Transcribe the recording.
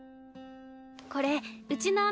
これうちの。